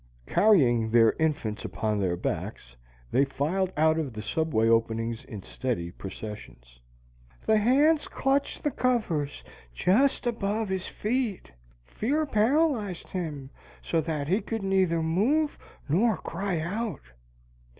Carrying their infants upon their backs, they filed out of the subway openings in steady processions. "The hands clutched the covers just above his feet. Fear paralyzed him so that he could neither move nor cry out."